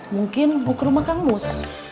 mungkin mau ke rumah kang mus